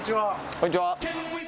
こんにちは